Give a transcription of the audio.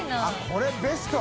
これベスト！